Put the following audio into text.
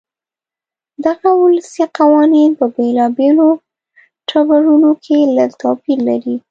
دغه ولسي قوانین په بېلابېلو ټبرونو کې لږ توپیر لري.